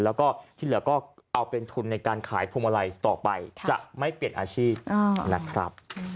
แล้วก็ที่เหลือก็เอาเป็นทุนในการขายพวงมาลัยต่อไปจะไม่เปลี่ยนอาชีพนะครับ